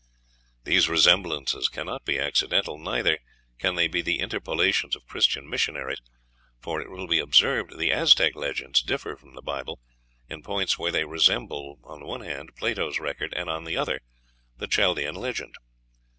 These resemblances cannot be accidental; neither can they be the interpolations of Christian missionaries, for it will be observed the Aztec legends differ from the Bible in points where they resemble on the one hand Plato's record, and on the other the Chaldean legend.